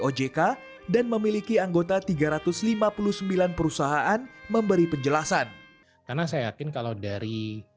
ojk dan memiliki anggota tiga ratus lima puluh sembilan perusahaan memberi penjelasan karena saya yakin kalau dari